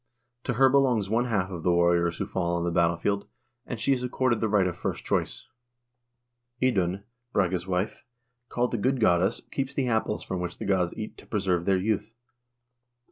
To her belongs one half of the warriors who fall on the battlefield, and she is accorded the right of first choice. Idun, Brage's wife, called the good goddess, keeps the apples from which the gods eat to preserve their youth.